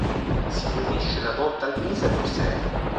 Si riunisce una volta al mese a Bruxelles.